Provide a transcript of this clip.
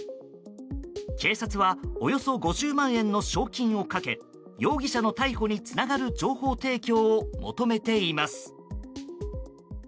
警察はおよそ５０万円の賞金を懸け容疑者の逮捕につながる情報提供を求めています。